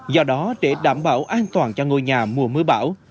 do đó để đảm bảo an toàn cho ngôi nhà mùa mưa bão